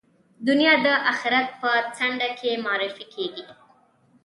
دنیا د آخرت په څنډه کې معرفي کېږي.